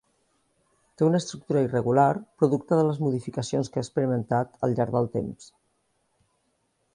Té una estructura irregular, producte de les modificacions que ha experimentat al llarg del temps.